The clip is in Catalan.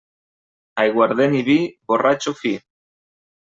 Aiguardent i vi, borratxo fi.